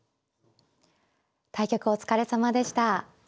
対局お疲れさまでした。